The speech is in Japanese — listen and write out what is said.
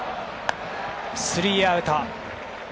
スリーアウト。